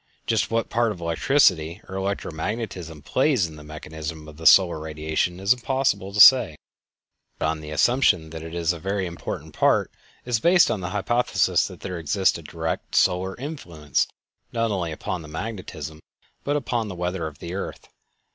Just what part electricity or electro magnetism plays in the mechanism of the solar radiation it is impossible to say, but on the assumption that it is a very important part is based the hypothesis that there exists a direct solar influence not only upon the magnetism, but upon the weather of the earth.